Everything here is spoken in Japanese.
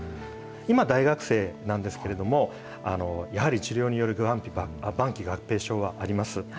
今、大学生なんですけれども、やはり治療による晩期合併症はあります。